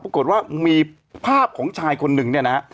ปรากฏว่ามีภาพของชายคนหนึ่งเนี่ยนะฮะ